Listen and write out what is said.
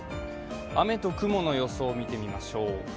雨と雲の予想を見てみましょう。